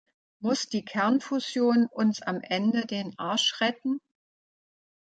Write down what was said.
Muss die Kernfusion uns am Ende den Arsch retten?